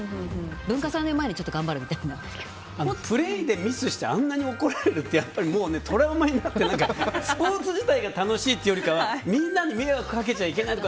文化祭の前にプレーでミスしてあんなに怒られるってトラウマになってスポーツ自体が楽しいというよりみんなに迷惑かけちゃいけないって